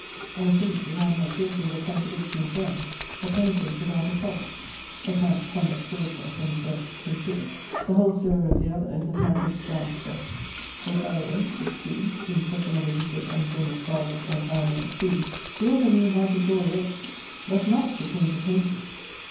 I think, if I am not guilty of a contradiction in terms; a penitent without a fault; her parents' conduct towards her from the first considered. The whole story of the other is a pack of d d stuff. Lothario, 'tis true, seems such another wicked ungenerous varlet as thou knowest who: the author knew how to draw a rake; but not to paint a penitent.